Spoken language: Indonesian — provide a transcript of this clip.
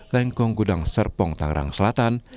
lengkong gudang serpong tangerang selatan